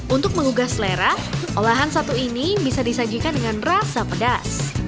untuk mengugah selera olahan satu ini bisa disajikan dengan rasa pedas